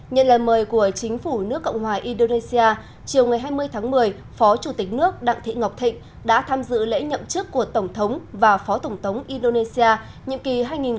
nhận lời mời của chính phủ nước cộng hòa indonesia chiều ngày hai mươi tháng một mươi phó chủ tịch nước đặng thị ngọc thịnh đã tham dự lễ nhậm chức của tổng thống và phó tổng thống indonesia nhiệm kỳ hai nghìn một mươi tám hai nghìn hai mươi ba